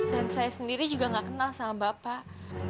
dan saya sendiri juga gak kenal sama bapak